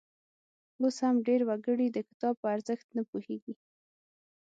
اوس هم ډېر وګړي د کتاب په ارزښت نه پوهیږي.